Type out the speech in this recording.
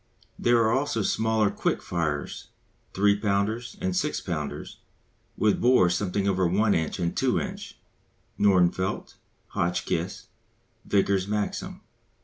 There are also smaller quick firers, 3 pounders and 6 pounders with bore something over 1 inch and 2 inch (Nordenfelt, Hotchkiss, Vickers Maxim).